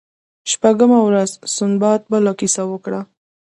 شپږمه ورځ سنباد بله کیسه وکړه.